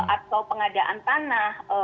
atau pengadaan tanah